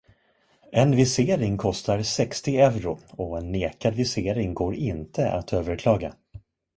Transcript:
En visering kostar sextio euro och en nekad visering går inte att överklaga.